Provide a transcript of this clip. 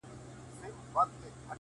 خدايه هغه زما د کور په لار سفر نه کوي؛